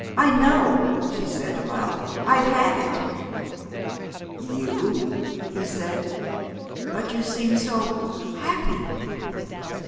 I know," she said aloud; "I've had it." "You?" he said. "But you seem so happy!"